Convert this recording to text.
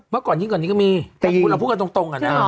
เมื่อก่อนนี้ก็มีเราพูดกันตรง